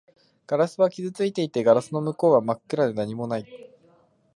ガラスは傷ついていて、ガラスの向こうは真っ暗で何もない